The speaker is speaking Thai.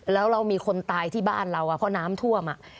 แล้วเรามีคนตายที่บ้านเราเพราะน้ำท่วม